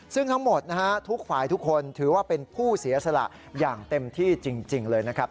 ซึ่งทั้งหมดนะฮะทุกฝ่ายทุกคนถือว่าเป็นผู้เสียสละอย่างเต็มที่จริงเลยนะครับ